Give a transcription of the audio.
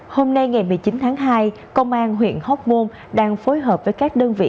hôm nay ngày một mươi chín tháng hai công an huyện hóc môn đang phối hợp với các đơn vị